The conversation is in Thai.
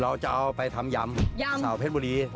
เราจะเอาไปทำยำสาวเพชรบุรี